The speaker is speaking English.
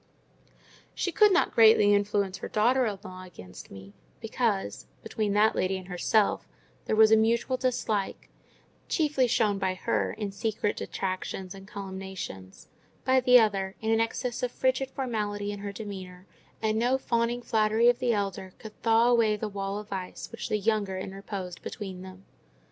She could not greatly influence her daughter in law against me, because, between that lady and herself there was a mutual dislike—chiefly shown by her in secret detractions and calumniations; by the other, in an excess of frigid formality in her demeanour; and no fawning flattery of the elder could thaw away the wall of ice which the younger interposed between them.